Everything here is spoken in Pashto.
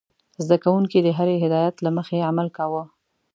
زده کوونکي د هرې هدايت له مخې عمل کاوه.